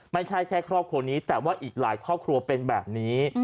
ไม่ใช่แค่ครอบครัวนี้แต่ว่าอีกหลายครอบครัวเป็นแบบนี้